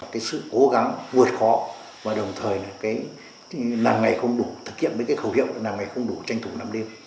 cái sự cố gắng vượt khó và đồng thời là cái làng ngày không đủ thực hiện với cái khẩu hiệu là ngày không đủ tranh thủ năm đêm